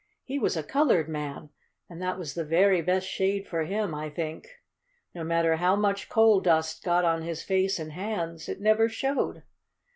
He was a colored man, and that was the very best shade for him, I think. No matter how much coal dust got on his face and hands it never showed.